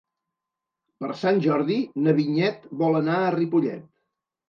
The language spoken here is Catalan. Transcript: Per Sant Jordi na Vinyet vol anar a Ripollet.